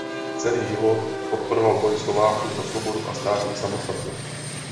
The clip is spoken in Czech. Celý život podporoval boj Slováků za svobodu a státní samostatnost.